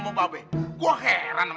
sekarang susah kanknt "